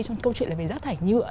trong câu chuyện là về rác thải nhựa